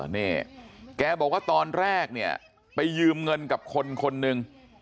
นี่แกบอกว่าตอนแรกเนี่ยไปยืมเงินกับคนคนหนึ่ง